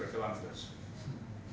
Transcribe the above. mahtan sekitar tujuh puluh km dua